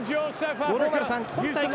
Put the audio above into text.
五郎丸さん、今大会